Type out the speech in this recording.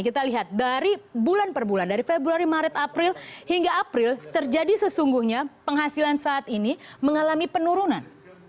kita lihat dari bulan per bulan dari februari maret april hingga april terjadi sesungguhnya penghasilan saat ini mengalami penurunan